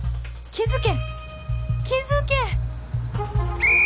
気付け！